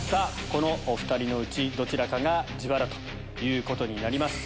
このお２人のうちどちらかが自腹ということになります。